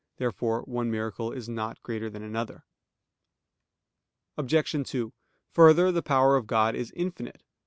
Therefore one miracle is not greater than another. Obj. 2: Further, the power of God is infinite.